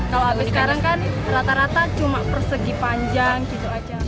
kalau habis sekarang kan rata rata cuma persegi panjang gitu aja